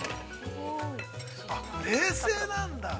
◆冷静なんだ。